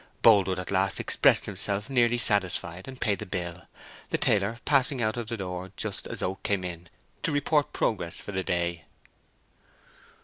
Boldwood at last expressed himself nearly satisfied, and paid the bill, the tailor passing out of the door just as Oak came in to report progress for the day.